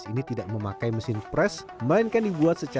maka kita bisa membuat bata yang lain agar bisa kering dalam waktu yang sama